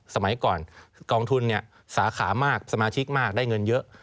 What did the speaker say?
สมัยก่อนกองทุนสาขามากสมาชิกมากได้เงินเยอะ